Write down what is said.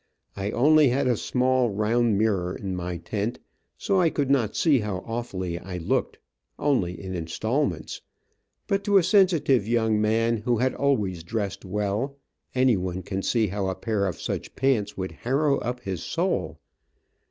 I only had a small round mirror in my tent, so I could not see how awfully I looked, only in installments, but to a sensitive young man who had always dressed well, any one can see how a pair of such pants would harrow up his soul.